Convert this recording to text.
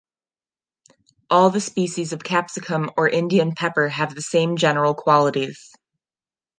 All the species of the Capsicum or Indian pepper have the same general qualities.